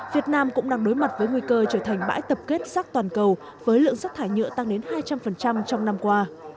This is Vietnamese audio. việt nam cũng đang đối mặt với nguy cơ trở thành bãi tập kết rác toàn cầu với lượng rác thải nhựa tăng đến hai trăm linh trong năm qua